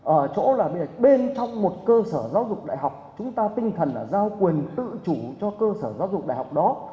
ở chỗ là bên trong một cơ sở giáo dục đại học chúng ta tinh thần là giao quyền tự chủ cho cơ sở giáo dục đại học đó